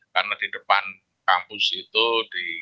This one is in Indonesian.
karena ini orang orang devil